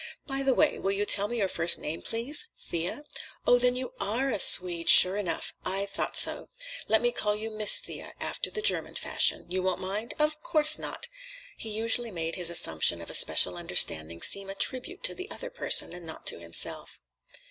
"By the way, will you tell me your first name, please? Thea? Oh, then you are a Swede, sure enough! I thought so. Let me call you Miss Thea, after the German fashion. You won't mind? Of course not!" He usually made his assumption of a special understanding seem a tribute to the other person and not to himself.